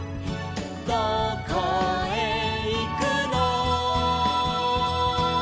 「どこへいくの」